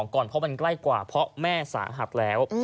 กล้ายกว่าเพราะแม่สาหักแล้ว